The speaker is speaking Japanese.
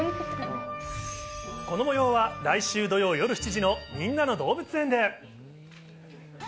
このもようは、来週土曜夜７時のみんなのどうぶつ園で。